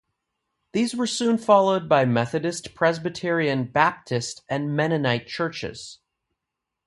These were soon followed by Methodist, Presbyterian, Baptist and Mennonite churches.